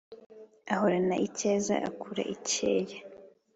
Ahorana icyeza akura i Cyeya